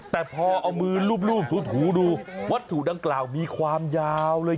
แต่พอเอามือลูบถูดูวัตถุดังกล่าวมีความยาวเลย